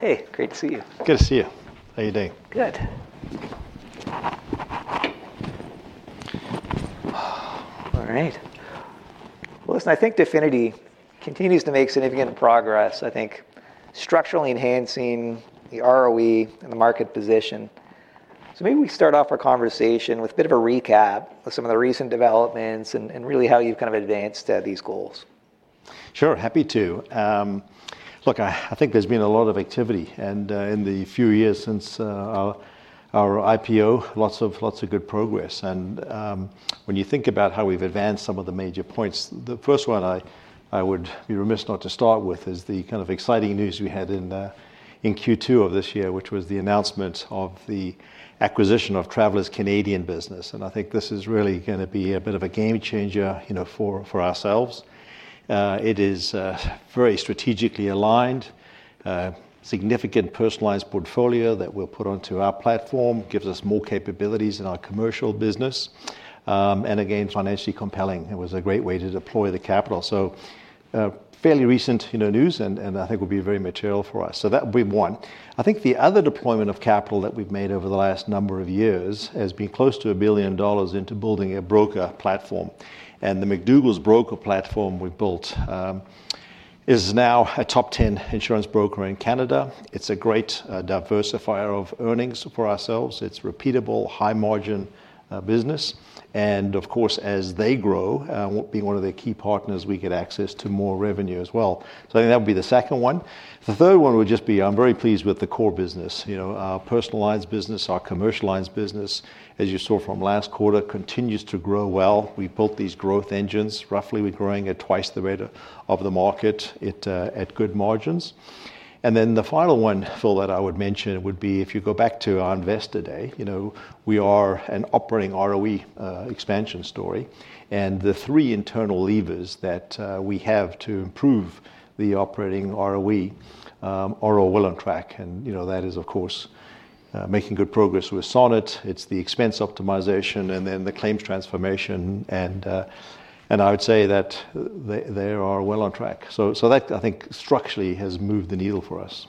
Hey, great to see you. Good to see you. How are you doing? All right. I think Definity continues to make significant progress, structurally enhancing the ROE and the market position. Maybe we start off our conversation with a bit of a recap of some of the recent developments and really how you've kind of advanced these goals. Sure, happy to. Look, I think there's been a lot of activity in the few years since our IPO, lots of good progress. When you think about how we've advanced some of the major points, the first one I would be remiss not to start with is the kind of exciting news we had in Q2 of this year, which was the announcement of the acquisition of Travelers Canadian Business. I think this is really going to be a bit of a game changer for ourselves. It is very strategically aligned, a significant personal lines portfolio that we'll put onto our platform, gives us more capabilities in our commercial business, and again, financially compelling. It was a great way to deploy the capital. Fairly recent news, and I think it will be very material for us. That would be one. I think the other deployment of capital that we've made over the last number of years has been close to $1 billion into building a broker platform. The McDougall broker platform we've built is now a top 10 insurance broker in Canada. It's a great diversifier of earnings for ourselves. It's a repeatable, high-margin business. Of course, as they grow, being one of their key partners, we get access to more revenue as well. I think that would be the second one. The third one would just be I'm very pleased with the core business. Our personal lines business, our commercial lines business, as you saw from last quarter, continues to grow well. We've built these growth engines, roughly we're growing at twice the rate of the market at good margins. The final one, Phil, that I would mention would be if you go back to our Investor Day, we are an operating ROE expansion story. The three internal levers that we have to improve the operating ROE are all well on track. That is, of course, making good progress with SONNET, it's the expense optimization and then the claims transformation. I would say that they are well on track. That, I think, structurally has moved the needle for us.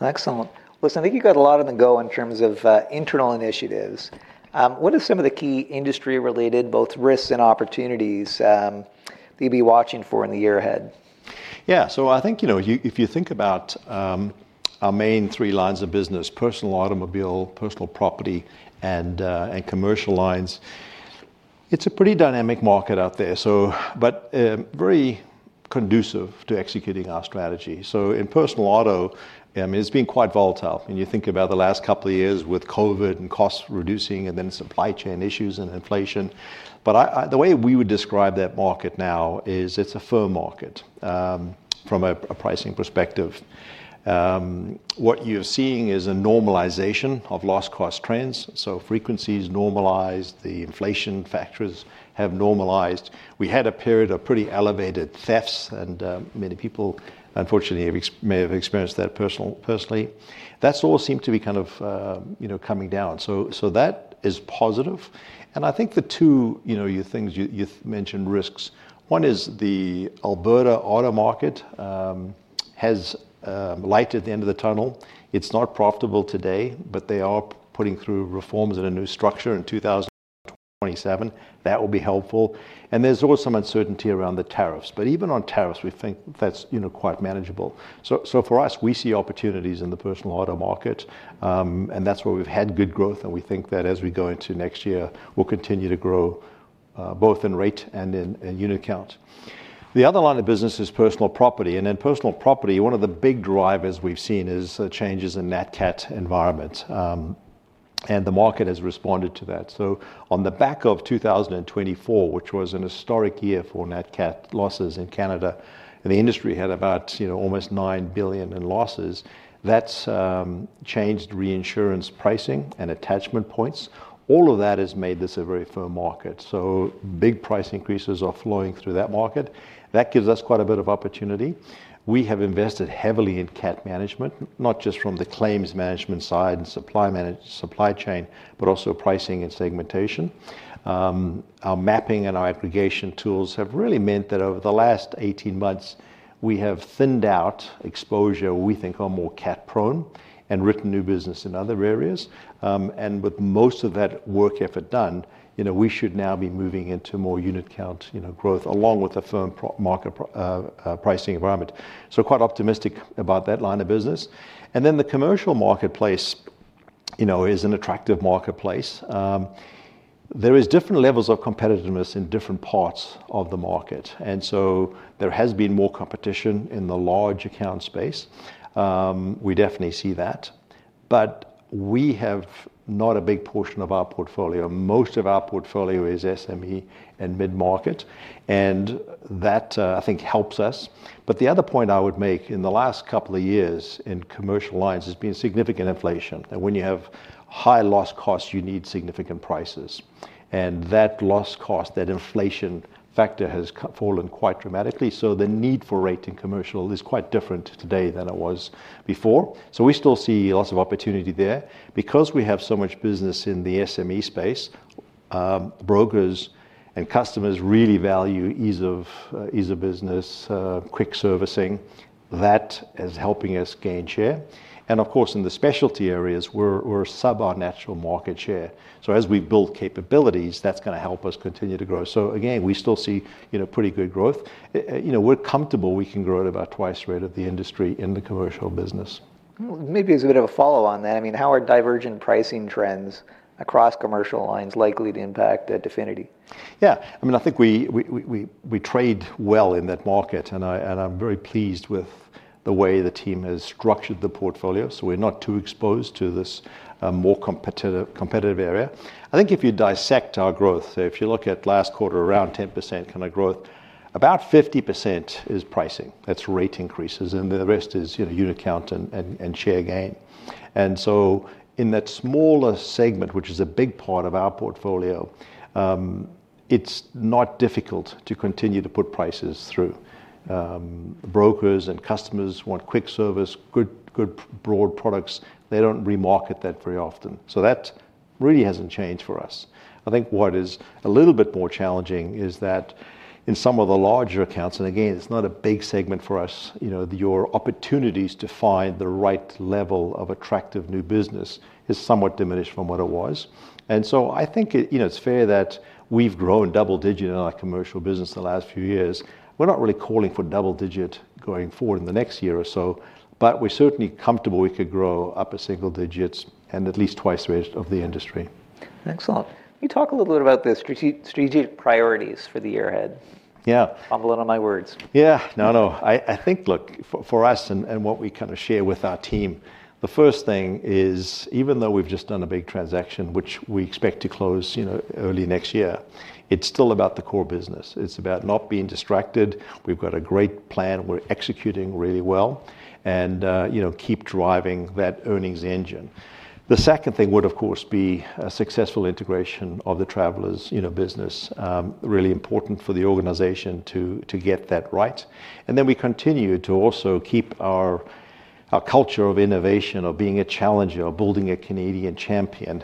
Excellent. I think you've got a lot on the go in terms of internal initiatives. What are some of the key industry-related, both risks and opportunities, that you'd be watching for in the year ahead? Yeah, so I think, you know, if you think about our main three lines of business: personal auto, personal property, and commercial lines, it's a pretty dynamic market out there, but very conducive to executing our strategy. In personal auto, it's been quite volatile. When you think about the last couple of years with COVID and cost reducing and then supply chain issues and inflation, the way we would describe that market now is it's a firm market from a pricing perspective. What you're seeing is a normalization of loss cost trends. Frequencies normalize, the inflation factors have normalized. We had a period of pretty elevated thefts, and many people, unfortunately, may have experienced that personally. That all seems to be kind of coming down. That is positive. I think the two things you mentioned, risks. One is the Alberta auto market has light at the end of the tunnel. It's not profitable today, but they are putting through reforms and a new structure in 2027. That will be helpful. There's also some uncertainty around the tariffs. Even on tariffs, we think that's quite manageable. For us, we see opportunities in the personal auto market. That's where we've had good growth. We think that as we go into next year, we'll continue to grow both in rate and in unit count. The other line of business is personal property. In personal property, one of the big drivers we've seen is changes in the NATCAT environment, and the market has responded to that. On the back of 2024, which was a historic year for NATCAT losses in Canada, the industry had about almost $9 billion in losses. That's changed reinsurance pricing and attachment points. All of that has made this a very firm market. Big price increases are flowing through that market. That gives us quite a bit of opportunity. We have invested heavily in CAT management, not just from the claims management side and supply chain, but also pricing and segmentation. Our mapping and our aggregation tools have really meant that over the last 18 months, we have thinned out exposure we think are more CAT prone and written new business in other areas. With most of that work effort done, we should now be moving into more unit count growth along with a firm market pricing environment. Quite optimistic about that line of business. The commercial marketplace is an attractive marketplace. There are different levels of competitiveness in different parts of the market. There has been more competition in the large account space. We definitely see that. We have not a big portion of our portfolio. Most of our portfolio is SME and mid-market. I think that helps us. The other point I would make in the last couple of years in commercial lines has been significant inflation. When you have high loss costs, you need significant prices. That loss cost, that inflation factor has fallen quite dramatically. The need for rate in commercial is quite different today than it was before. We still see lots of opportunity there. Because we have so much business in the SME space, brokers and customers really value ease of business, quick servicing. That is helping us gain share. In the specialty areas, we're sub-our natural market share. As we build capabilities, that's going to help us continue to grow. We still see pretty good growth. We're comfortable we can grow at about twice the rate of the industry in the commercial business. Maybe it's a bit of a follow-on then. I mean, how are divergent pricing trends across commercial lines likely to impact Definity? Yeah, I mean, I think we trade well in that market. I'm very pleased with the way the team has structured the portfolio, so we're not too exposed to this more competitive area. I think if you dissect our growth, if you look at last quarter, around 10% kind of growth, about 50% is pricing. That's rate increases, and the rest is unit count and share gain. In that smaller segment, which is a big part of our portfolio, it's not difficult to continue to put prices through. Brokers and customers want quick service, good broad products. They don't remarket that very often, so that really hasn't changed for us. I think what is a little bit more challenging is that in some of the larger accounts, and again, it's not a big segment for us, your opportunities to find the right level of attractive new business is somewhat diminished from what it was. I think it's fair that we've grown double digit in our commercial business in the last few years. We're not really calling for double digit going forward in the next year or so, but we're certainly comfortable we could grow up a single digit and at least twice the rate of the industry. Excellent. Can you talk a little bit about the strategic priorities for the year ahead? Yeah. Bumble on my words. Yeah, look, for us and what we kind of share with our team, the first thing is, even though we've just done a big transaction, which we expect to close early next year, it's still about the core business. It's about not being distracted. We've got a great plan. We're executing really well, and keep driving that earnings engine. The second thing would, of course, be a successful integration of the Travelers business. Really important for the organization to get that right. We continue to also keep our culture of innovation, of being a challenger, of building a Canadian champion,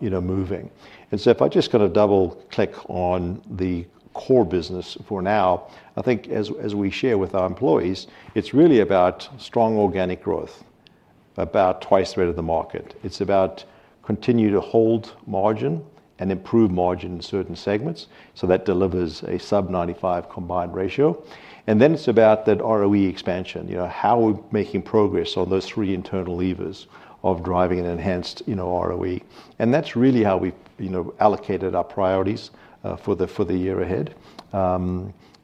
you know, moving. If I just kind of double click on the core business for now, I think as we share with our employees, it's really about strong organic growth, about twice the rate of the market. It's about continuing to hold margin and improve margin in certain segments. That delivers a sub-95% combined ratio. It's about that ROE expansion. You know, how are we making progress on those three internal levers of driving an enhanced ROE? That's really how we allocated our priorities for the year ahead.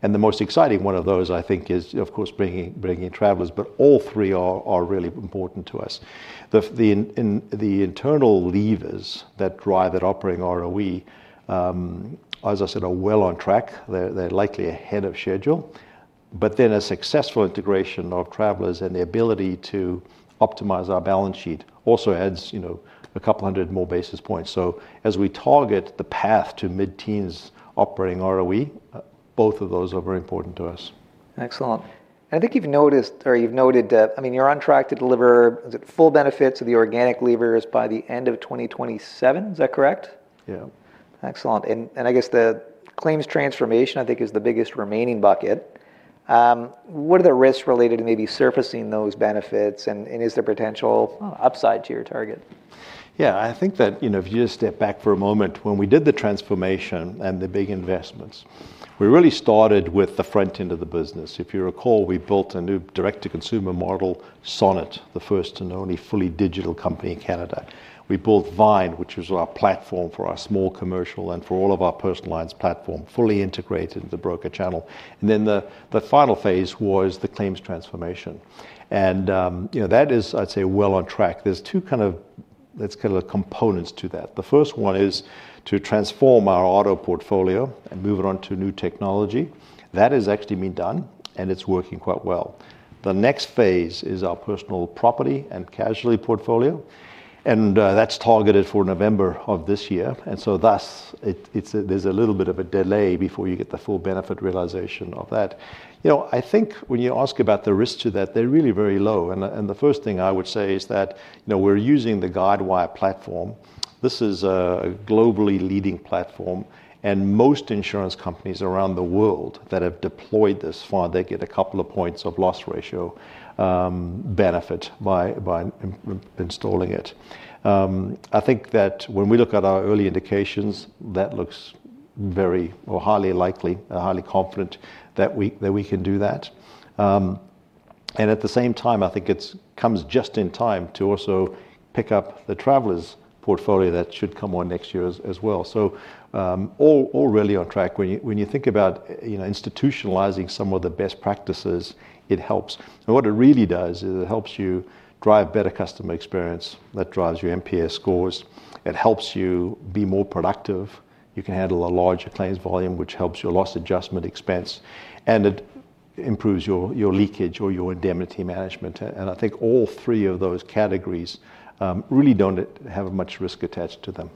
The most exciting one of those, I think, is, of course, bringing in Travelers. All three are really important to us. The internal levers that drive that operating ROE, as I said, are well on track. They're likely ahead of schedule. A successful integration of Travelers and the ability to optimize our balance sheet also adds a couple hundred more basis points. As we target the path to mid-teens operating ROE, both of those are very important to us. Excellent. I think you've noted that you're on track to deliver, is it full benefits of the organic levers by the end of 2027? Is that correct? Yeah. Excellent. I guess the claims transformation, I think, is the biggest remaining bucket. What are the risks related to maybe surfacing those benefits? Is there potential upside to your target? Yeah, I think that, you know, if you just step back for a moment, when we did the transformation and the big investments, we really started with the front end of the business. If you recall, we built a new direct-to-consumer model, SONNET, the first and only fully digital company in Canada. We built Vine, which was our platform for our small commercial and for all of our personal lines platform, fully integrated into the broker channel. The final phase was the claims transformation. That is, I'd say, well on track. There are two kind of, let's call it, components to that. The first one is to transform our auto portfolio and move it on to new technology. That has actually been done, and it's working quite well. The next phase is our personal property and casualty portfolio, and that's targeted for November of this year. Thus, there's a little bit of a delay before you get the full benefit realization of that. When you ask about the risks to that, they're really very low. The first thing I would say is that we're using the Guidewire platform. This is a globally leading platform, and most insurance companies around the world that have deployed this far, they get a couple of points of loss ratio benefit by installing it. I think that when we look at our early indications, that looks very or highly likely, highly confident that we can do that. At the same time, I think it comes just in time to also pick up the Travelers portfolio that should come on next year as well. All really on track. When you think about institutionalizing some of the best practices, it helps. What it really does is it helps you drive better customer experience. That drives your NPS scores. It helps you be more productive. You can handle a larger claims volume, which helps your loss adjustment expense. It improves your leakage or your indemnity management. I think all three of those categories really don't have much risk attached to them.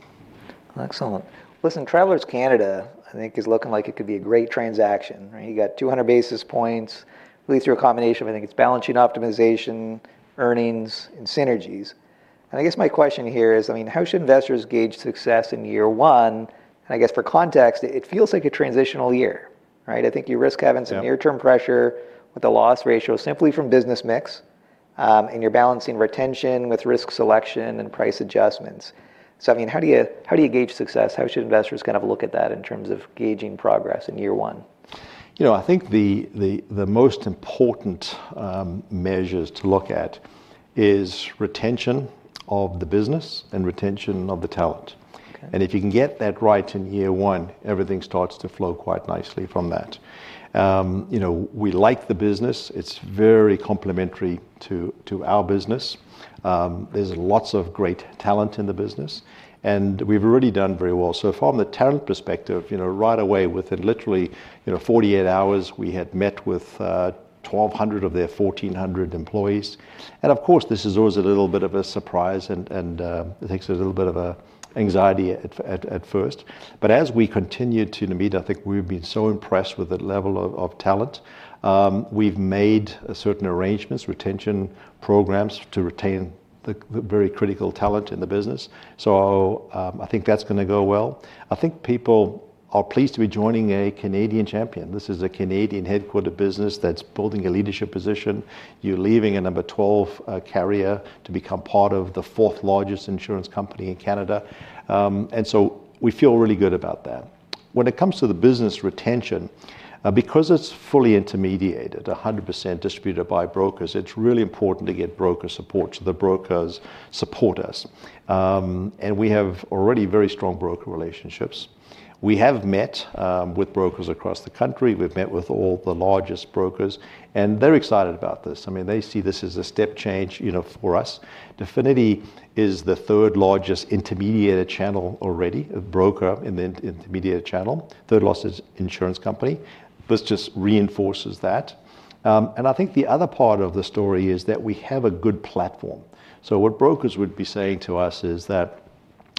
Excellent. Listen, Travelers Canada, I think, is looking like it could be a great transaction. You got 200 bps, at least through a combination of, I think, it's balance sheet optimization, earnings, and synergies. I guess my question here is, I mean, how should investors gauge success in year one? For context, it feels like a transitional year. I think you risk having some near-term pressure with the loss ratio simply from business mix. You're balancing retention with risk selection and price adjustments. I mean, how do you gauge success? How should investors kind of look at that in terms of gauging progress in year one? I think the most important measures to look at are retention of the business and retention of the talent. If you can get that right in year one, everything starts to flow quite nicely from that. We like the business. It's very complementary to our business. There's lots of great talent in the business. We've already done very well so far from the talent perspective. Right away, within literally 48 hours, we had met with 1,200 of their 1,400 employees. Of course, this is always a little bit of a surprise, and it takes a little bit of anxiety at first. As we continue to meet, I think we've been so impressed with the level of talent. We've made certain arrangements, retention programs to retain the very critical talent in the business. I think that's going to go well. I think people are pleased to be joining a Canadian champion. This is a Canadian headquarter business that's building a leadership position. You're leaving a number 12 carrier to become part of the fourth largest insurance company in Canada, and we feel really good about that. When it comes to the business retention, because it's fully intermediated, 100% distributed by brokers, it's really important to get broker support so the brokers support us. We have already very strong broker relationships. We have met with brokers across the country. We've met with all the largest brokers, and they're excited about this. They see this as a step change for us. Definity is the third largest intermediated channel already, a broker in the intermediated channel, third largest insurance company. It just reinforces that. I think the other part of the story is that we have a good platform. What brokers would be saying to us is that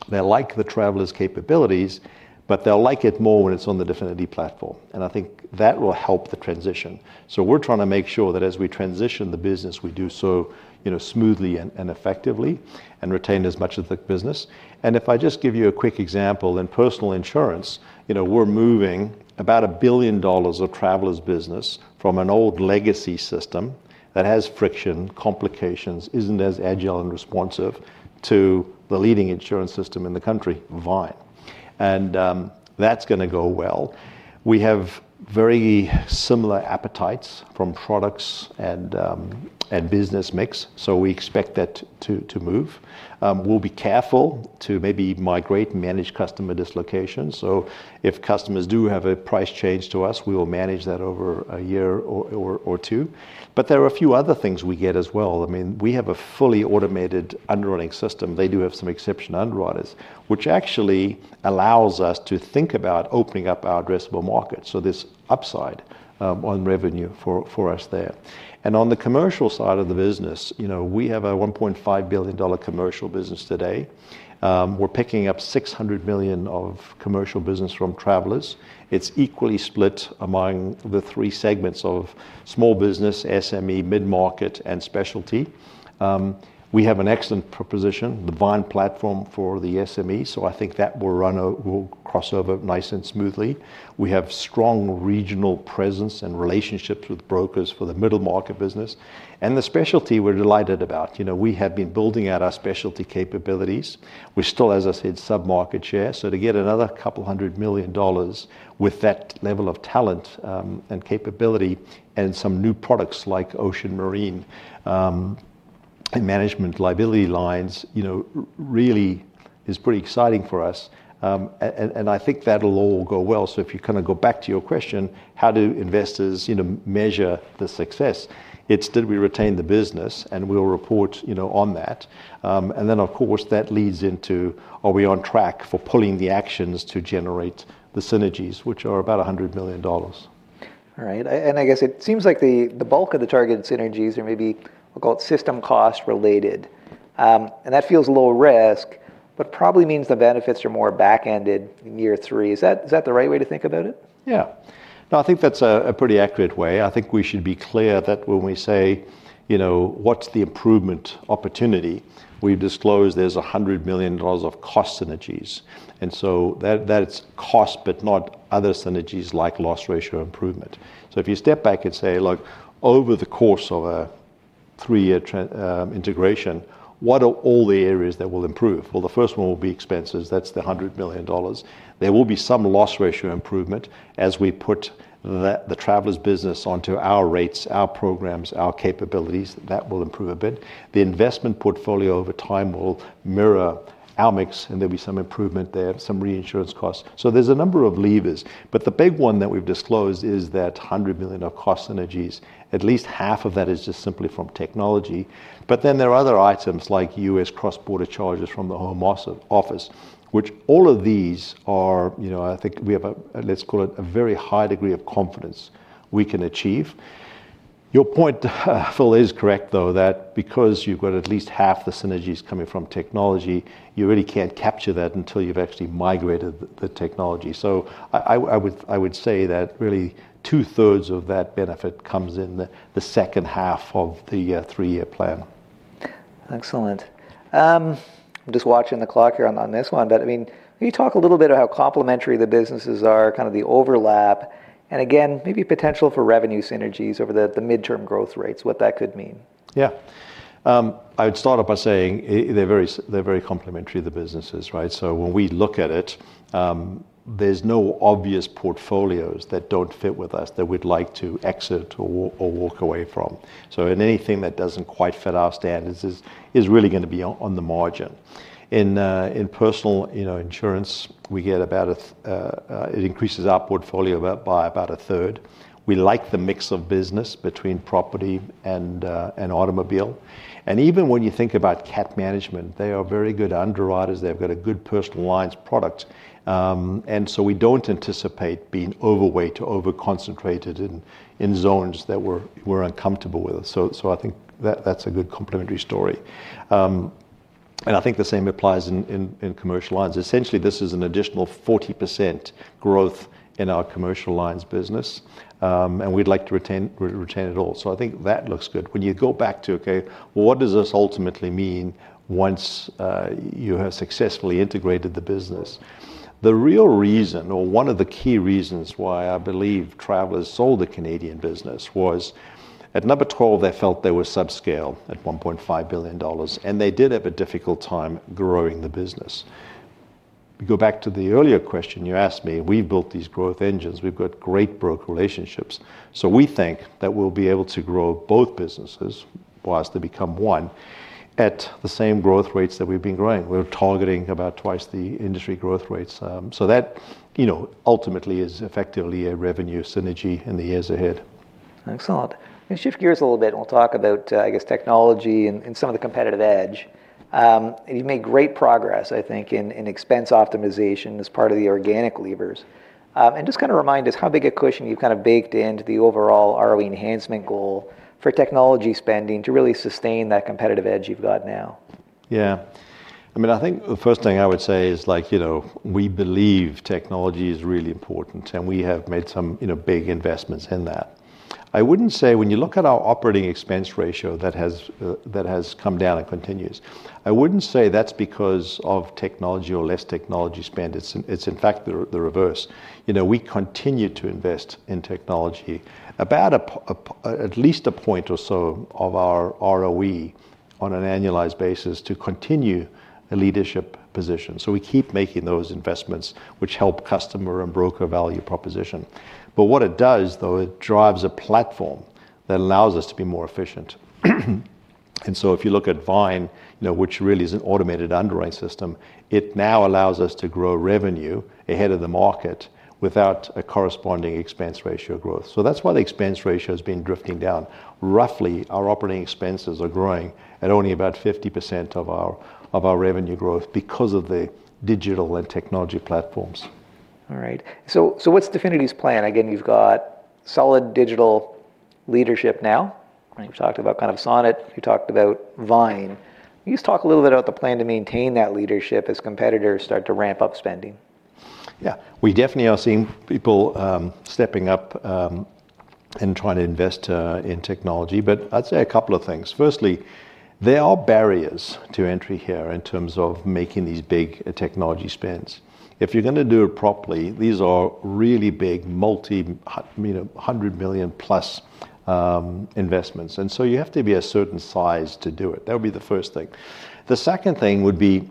they like the Travelers capabilities, but they'll like it more when it's on the Definity platform. I think that will help the transition. We're trying to make sure that as we transition the business, we do so smoothly and effectively and retain as much of the business. If I just give you a quick example, in personal insurance, we're moving about $1 billion of Travelers business from an old legacy system that has friction, complications, isn't as agile and responsive to the leading insurance system in the country, Vine. That's going to go well. We have very similar appetites from products and business mix, so we expect that to move. We'll be careful to maybe migrate and manage customer dislocations. If customers do have a price change to us, we will manage that over a year or two. There are a few other things we get as well. I mean, we have a fully automated underwriting system. They do have some exceptional underwriters, which actually allows us to think about opening up our addressable market. There's upside on revenue for us there. On the commercial side of the business, we have a $1.5 billion commercial business today. We're picking up $600 million of commercial business from Travelers. It's equally split among the three segments of small business, SME, mid-market, and specialty. We have an excellent proposition, the Vine platform for the SME. I think that will run a crossover nice and smoothly. We have strong regional presence and relationships with brokers for the middle market business. The specialty we're delighted about, you know, we have been building out our specialty capabilities. We're still, as I said, sub-market share. To get another couple hundred million dollars with that level of talent and capability and some new products like Ocean Marine and management liability lines, you know, really is pretty exciting for us. I think that'll all go well. If you kind of go back to your question, how do investors, you know, measure the success? It's, did we retain the business? We'll report, you know, on that. Of course, that leads into, are we on track for pulling the actions to generate the synergies, which are about $100 million? All right. I guess it seems like the bulk of the targeted synergies are maybe, I'll call it system cost related. That feels low risk, but probably means the benefits are more back-ended in year three. Is that the right way to think about it? Yeah. I think that's a pretty accurate way. I think we should be clear that when we say, you know, what's the improvement opportunity? We've disclosed there's $100 million of cost synergies, and that's cost, but not other synergies like loss ratio improvement. If you step back and say, look, over the course of a three-year integration, what are all the areas that will improve? The first one will be expenses. That's the $100 million. There will be some loss ratio improvement as we put the Travelers business onto our rates, our programs, our capabilities. That will improve a bit. The investment portfolio over time will mirror our mix, and there'll be some improvement there, some reinsurance costs. There's a number of levers. The big one that we've disclosed is that $100 million of cost synergies. At least half of that is just simply from technology. There are other items like U.S. cross-border charges from the home office, which all of these are, you know, I think we have a, let's call it, a very high degree of confidence we can achieve. Your point, Phil, is correct, though, that because you've got at least half the synergies coming from technology, you really can't capture that until you've actually migrated the technology. I would say that really two-thirds of that benefit comes in the second half of the three-year plan. Excellent. I'm just watching the clock here on this one. Can you talk a little bit about how complementary the businesses are, kind of the overlap, and again, maybe potential for revenue synergies over the midterm growth rates, what that could mean? Yeah. I would start off by saying they're very complementary, the businesses, right? When we look at it, there's no obvious portfolios that don't fit with us that we'd like to exit or walk away from. Anything that doesn't quite fit our standards is really going to be on the margin. In personal insurance, we get about a, it increases our portfolio by about a third. We like the mix of business between property and automobile. Even when you think about CAT management, they are very good underwriters. They've got a good personal lines product. We don't anticipate being overweight, overconcentrated in zones that we're uncomfortable with. I think that's a good complementary story. I think the same applies in commercial lines. Essentially, this is an additional 40% growth in our commercial lines business. We'd like to retain it all. I think that looks good. When you go back to, okay, what does this ultimately mean once you have successfully integrated the business? The real reason, or one of the key reasons why I believe Travelers sold the Canadian business was at number 12, they felt they were subscale at $1.5 billion. They did have a difficult time growing the business. Go back to the earlier question you asked me. We've built these growth engines. We've got great broker relationships. We think that we'll be able to grow both businesses whilst they become one at the same growth rates that we've been growing. We're targeting about twice the industry growth rates. That, you know, ultimately is effectively a revenue synergy in the years ahead. Excellent. I'm going to shift gears a little bit. We'll talk about, I guess, technology and some of the competitive edge. You've made great progress, I think, in expense optimization as part of the organic levers. Just kind of remind us how big a cushion you've kind of baked into the overall ROE enhancement goal for technology spending to really sustain that competitive edge you've got now. Yeah. I mean, I think the first thing I would say is, you know, we believe technology is really important. We have made some big investments in that. I wouldn't say when you look at our operating expense ratio that has come down and continues, I wouldn't say that's because of technology or less technology spend. It's in fact the reverse. We continue to invest in technology about at least a point or so of our ROE on an annualized basis to continue a leadership position. We keep making those investments, which help customer and broker value proposition. What it does, though, is it drives a platform that allows us to be more efficient. If you look at Vine, which really is an automated underwriting system, it now allows us to grow revenue ahead of the market without a corresponding expense ratio growth. That's why the expense ratio has been drifting down. Roughly, our operating expenses are growing at only about 50% of our revenue growth because of the digital and technology platforms. All right. What's Definity's plan? You've got solid digital leadership now. You've talked about SONNET. You've talked about Vine. Can you just talk a little bit about the plan to maintain that leadership as competitors start to ramp up spending? Yeah, we definitely are seeing people stepping up and trying to invest in technology. I'd say a couple of things. Firstly, there are barriers to entry here in terms of making these big technology spends. If you're going to do it properly, these are really big, multi, you know, $100 million plus investments. You have to be a certain size to do it. That would be the first thing. The second thing would be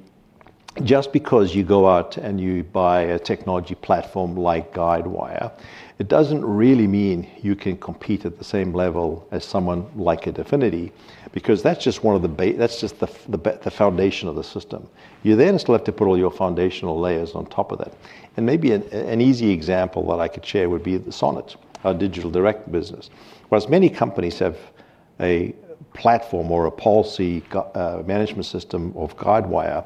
just because you go out and you buy a technology platform like Guidewire, it doesn't really mean you can compete at the same level as someone like Definity because that's just the foundation of the system. You then start to put all your foundational layers on top of that. Maybe an easy example that I could share would be SONNET, our digital direct business. Whilst many companies have a platform or a policy management system of Guidewire,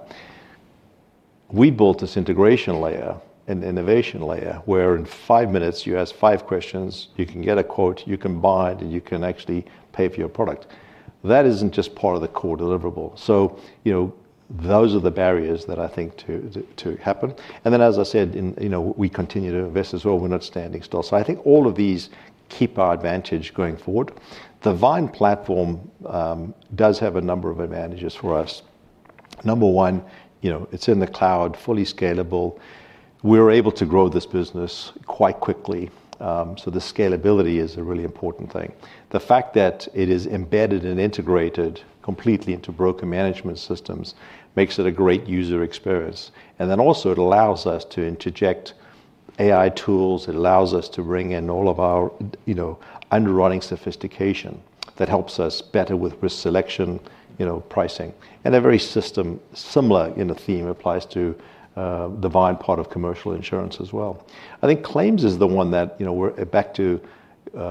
we built this integration layer and innovation layer where in five minutes, you ask five questions, you can get a quote, you can buy it, and you can actually pay for your product. That isn't just part of the core deliverable. Those are the barriers that I think happen. As I said, we continue to invest as well. We're not standing still. I think all of these keep our advantage going forward. The Vine platform does have a number of advantages for us. Number one, it's in the cloud, fully scalable. We're able to grow this business quite quickly. The scalability is a really important thing. The fact that it is embedded and integrated completely into broker management systems makes it a great user experience. It also allows us to interject AI tools. It allows us to bring in all of our underwriting sophistication that helps us better with risk selection and pricing. A very similar theme applies to the Vine part of commercial insurance as well. I think claims is the one that, you know, we're back to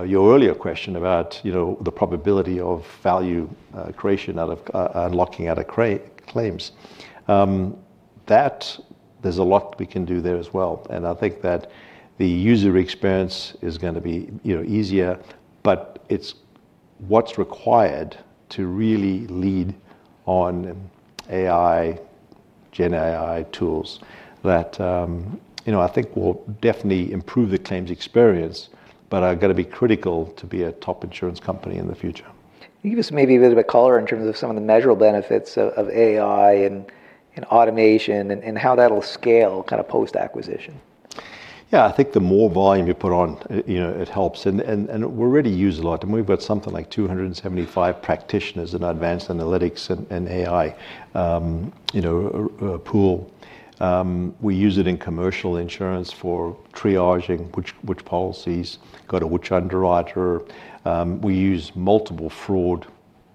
your earlier question about the probability of value creation out of unlocking out of claims. There's a lot we can do there as well. I think that the user experience is going to be easier. It's what's required to really lead on AI, Gen AI tools that I think will definitely improve the claims experience, but are going to be critical to be a top insurance company in the future. Can you give us maybe a little bit of color in terms of some of the measurable benefits of AI and automation and how that'll scale kind of post-acquisition? Yeah, I think the more volume you put on, you know, it helps. We already use a lot, and we've got something like 275 practitioners in advanced analytics and AI, you know, pool. We use it in commercial insurance for triaging which policies go to which underwriter. We use multiple fraud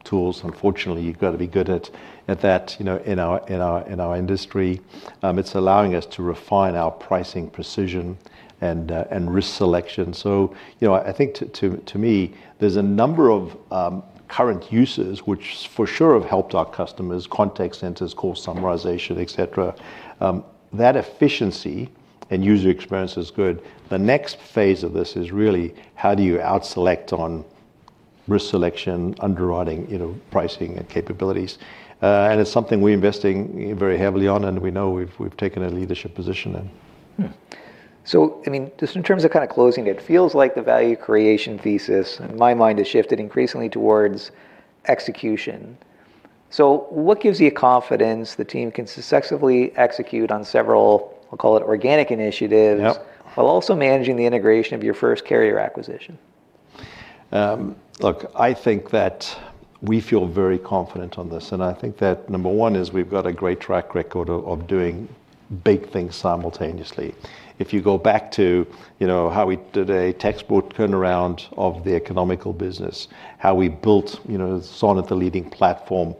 tools. Unfortunately, you've got to be good at that, you know, in our industry. It's allowing us to refine our pricing precision and risk selection. I think to me, there's a number of current uses, which for sure have helped our customers, contact centers, call summarization, etc. That efficiency and user experience is good. The next phase of this is really how do you out-select on risk selection, underwriting, pricing and capabilities. It's something we're investing very heavily on, and we know we've taken a leadership position in. In terms of kind of closing, it feels like the value creation thesis in my mind has shifted increasingly towards execution. What gives you confidence the team can successfully execute on several, I'll call it organic initiatives, while also managing the integration of your first carrier acquisition? Look, I think that we feel very confident on this. I think that number one is we've got a great track record of doing big things simultaneously. If you go back to how we did a textbook turnaround of the Economical business, how we built, you know, SONNET, the leading platform,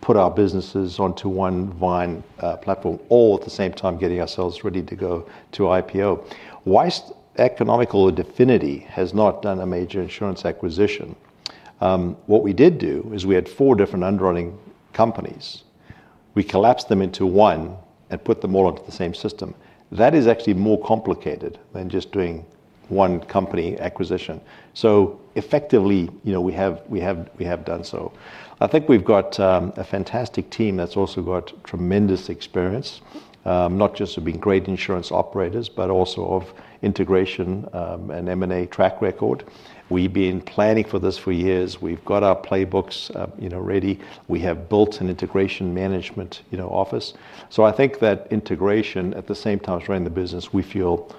put our businesses onto one Vine platform, all at the same time getting ourselves ready to go to IPO. Whilst Economical, Definity has not done a major insurance acquisition. What we did do is we had four different underwriting companies. We collapsed them into one and put them all into the same system. That is actually more complicated than just doing one company acquisition. Effectively, we have done so. I think we've got a fantastic team that's also got tremendous experience, not just of being great insurance operators, but also of integration and M&A track record. We've been planning for this for years. We've got our playbooks ready. We have built an integration management office. I think that integration at the same time as running the business, we feel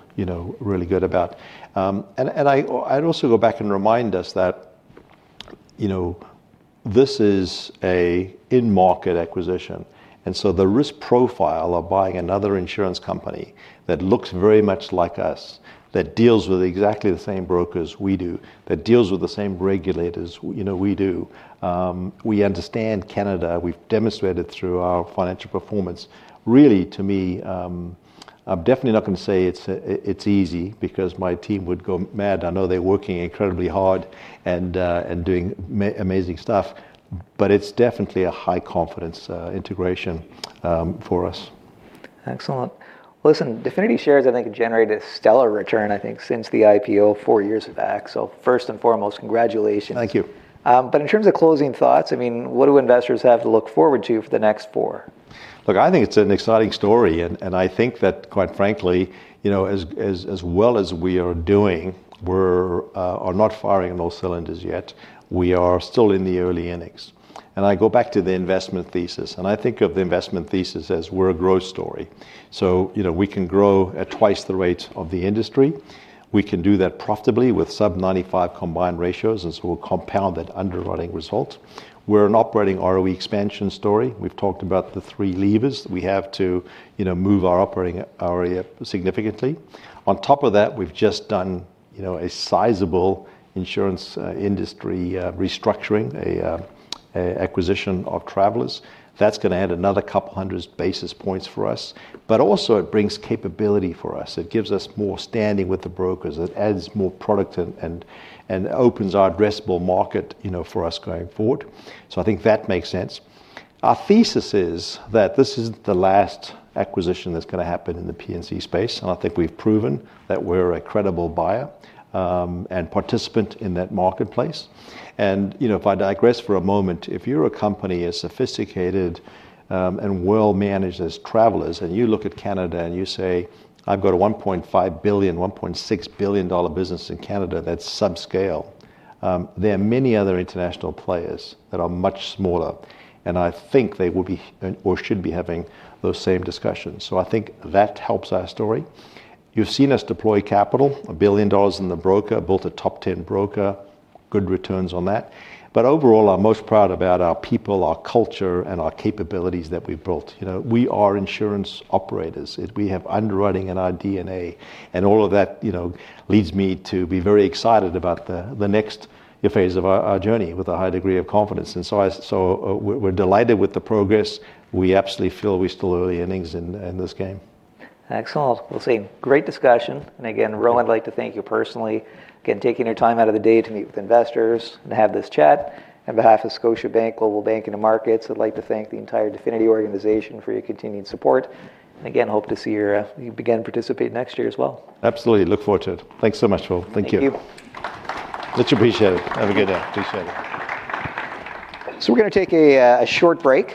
really good about. I'd also go back and remind us that this is an in-market acquisition. The risk profile of buying another insurance company that looks very much like us, that deals with exactly the same brokers we do, that deals with the same regulators we do. We understand Canada. We've demonstrated through our financial performance. Really, to me, I'm definitely not going to say it's easy because my team would go mad. I know they're working incredibly hard and doing amazing stuff. It's definitely a high-confidence integration for us. Excellent. Listen, Definity shares, I think, have generated a stellar return, I think, since the IPO, four years of act. First and foremost, congratulations. Thank you. In terms of closing thoughts, what do investors have to look forward to for the next four? I think it's an exciting story. I think that, quite frankly, as well as we are doing, we are not firing on all cylinders yet. We are still in the early innings. I go back to the investment thesis. I think of the investment thesis as we're a growth story. We can grow at twice the rate of the industry. We can do that profitably with sub-95% combined ratios. We'll compound that underwriting result. We're an operating ROE expansion story. We've talked about the three levers. We have to move our operating ROE up significantly. On top of that, we've just done a sizable insurance industry restructuring, an acquisition of Travelers. That's going to add another couple hundred basis points for us. It brings capability for us. It gives us more standing with the brokers. It adds more product and opens our addressable market for us going forward. I think that makes sense. Our thesis is that this isn't the last acquisition that's going to happen in the P&C space. I think we've proven that we're a credible buyer and participant in that marketplace. If I digress for a moment, if you're a company as sophisticated and well managed as Travelers, and you look at Canada and you say, I've got a $1.5 billion- $1.6 billion business in Canada that's subscale, there are many other international players that are much smaller. I think they would be or should be having those same discussions. I think that helps our story. You've seen us deploy capital, $1 billion in the broker, built a top 10 broker, good returns on that. Overall, I'm most proud about our people, our culture, and our capabilities that we've built. We are insurance operators. We have underwriting in our DNA. All of that leads me to be very excited about the next phase of our journey with a high degree of confidence. We are delighted with the progress. We absolutely feel we're still early innings in this game. Excellent. Sam, great discussion. I'd like to thank you personally again for taking your time out of the day to meet with investors and have this chat. On behalf of Scotiabank, Global Bank, and the markets, I'd like to thank the entire Definity organization for your continued support. I hope to see you begin to participate next year as well. Absolutely. Look forward to it. Thanks so much, Philip. Thank you. Thank you. Much appreciated. Have a good day. Appreciate it. We are going to take a short break.